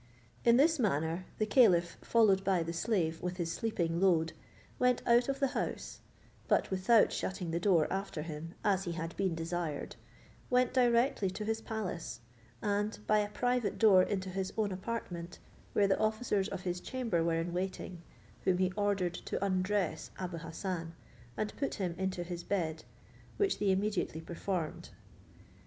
In this manner the caliph, followed by the slave with his sleeping load, went out of the house, but without shutting the door after him as he had been desired, went directly to his palace, and by a private door into his own apartment, where the officers of his chamber were in waiting, whom he ordered to undress Abou Hassan, and put him into his bed, which they immediately performed.